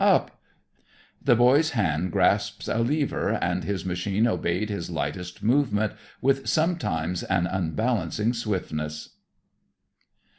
"Up!!" The boy's hand grasped a lever and his machine obeyed his lightest movement with sometimes an unbalancing swiftness.